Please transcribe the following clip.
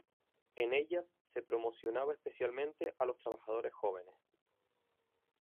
En ellas se promocionaba especialmente a los trabajadores jóvenes.